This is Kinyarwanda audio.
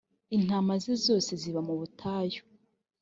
intama ze zose ziba mubutayu.